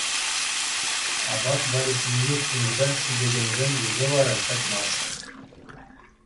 Апат валеҫмелли пункта ҫитекенсен йышӗ вара чакмасть.